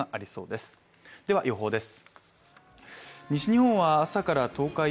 では予報です。